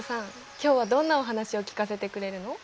今日はどんなお話を聞かせてくれるの？